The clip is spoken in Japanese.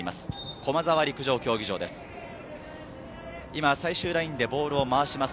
駒沢陸上競技場です。